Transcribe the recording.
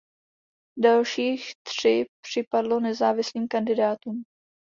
Dalších tři připadlo nezávislým kandidátům.